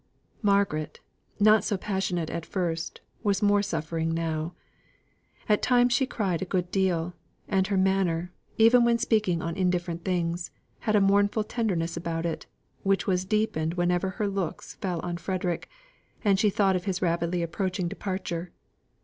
Margaret, not so passionate at first, was more suffering now. At times she cried a good deal; and her manner, even when speaking on different things, had a mournful tenderness about it, which was deepened whenever her looks fell upon Frederick, and she thought of his rapidly approaching departure.